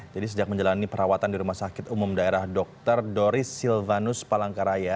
jadi sejak menjalani perawatan di rumah sakit umum daerah dokter doris silvanus palangkaraya